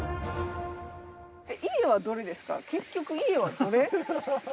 家はどれですか？